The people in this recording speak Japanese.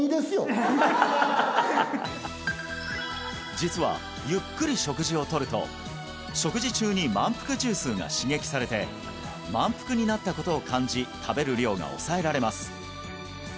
実はゆっくり食事をとると食事中に満腹中枢が刺激されて満腹になったことを感じ食べる量が抑えられます